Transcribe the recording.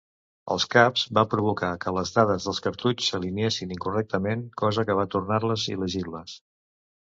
Els caps van provocar que les dades del cartutx s'alineessin incorrectament, cosa que va tornar-les il·legibles.